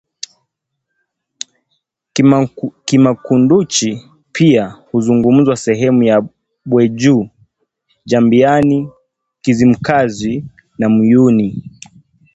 Kimakunduchi pia huzungumzwa sehemu ya Bwejuu, Jambiani, Kizimkazi na Muyuni